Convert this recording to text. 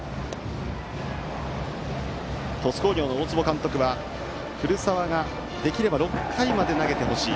鳥栖工業の大坪監督は古澤にはできれば６回まで投げてほしい。